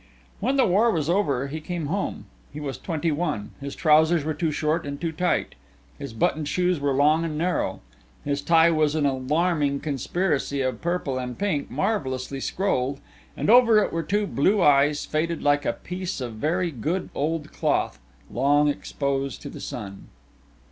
When the war was over he came home. He was twenty one, his trousers were too short and too tight. His buttoned shoes were long and narrow. His tie was an alarming conspiracy of purple and pink marvellously scrolled, and over it were two blue eyes faded like a piece of very good old cloth long exposed to the sun.